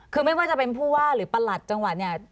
คือไม่ว่าจะเป็นผู้ว่าหรือประหลัดจังหวัดเนี่ย